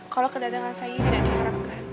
kalau kedatangan saya ini tidak diharapkan